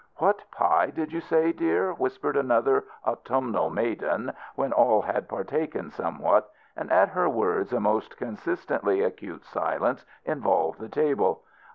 "WHAT pie did you say, dear?" whispered another autumnal maiden, when all had partaken somewhat, and at her words a most consistently acute silence involved the table.